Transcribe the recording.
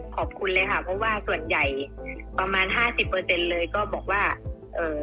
ขอบคุณเลยค่ะเพราะว่าส่วนใหญ่ประมาณห้าสิบเปอร์เซ็นต์เลยก็บอกว่าเอ่อ